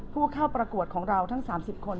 ผู้เข้าประกวดของเราทั้ง๓๐คน